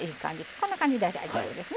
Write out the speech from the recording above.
こんな感じで大丈夫ですね。